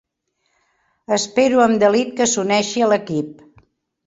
Espero amb delit que s'uneixi a l'equip.